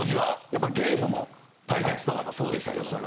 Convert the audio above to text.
やっぱゲームも対決とかもそうでしたけど。